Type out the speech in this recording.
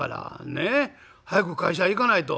ねっ早く会社行かないと」。